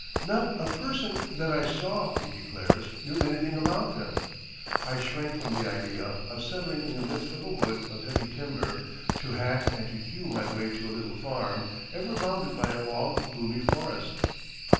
"Not a person that I saw," he declares, "knew anything about them. I shrank from the idea of settling in the midst of a wood of heavy timber, to hack and to hew my way to a little farm, ever bounded by a wall of gloomy forest."